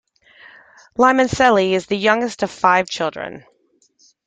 Limoncelli is the youngest of five children.